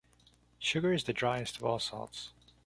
Sugar is the driest of all salts.